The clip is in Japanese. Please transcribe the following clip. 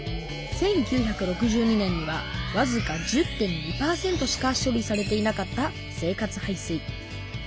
１９６２年にはわずか１０．２％しか処理されていなかった生活排水。